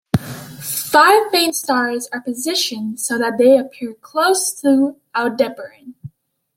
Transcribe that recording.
Five faint stars are positioned so that they appear close to Aldebaran.